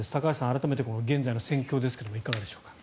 改めて現在の戦況ですがいかがでしょうか。